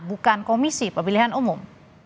bukan komisi pemilihan umum